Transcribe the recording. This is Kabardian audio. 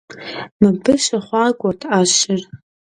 Мыбы щыхъуакӀуэрт Ӏэщыр.